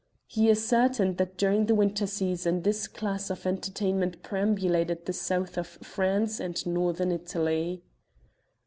He ascertained that during the winter season this class of entertainment perambulated the South of France and Northern Italy.